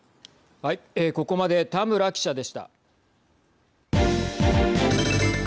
ここまで田村記者でした。